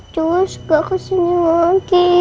cus gak kesini lagi